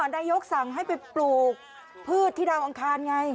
นายกสั่งให้ไปปลูกพืชที่ดาวอังคารไง